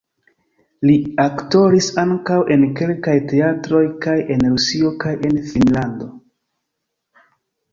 Li aktoris ankaŭ en kelkaj teatroj kaj en Rusio kaj en Finnlando.